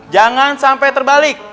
jangan sampai terbalik